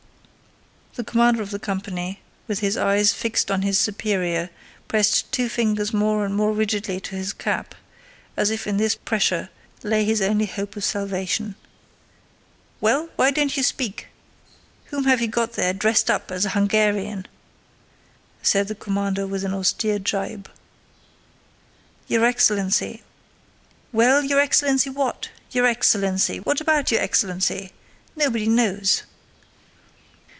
The commander of the company, with his eyes fixed on his superior, pressed two fingers more and more rigidly to his cap, as if in this pressure lay his only hope of salvation. "Well, why don't you speak? Whom have you got there dressed up as a Hungarian?" said the commander with an austere gibe. "Your excellency..." "Well, your excellency, what? Your excellency! But what about your excellency?... nobody knows."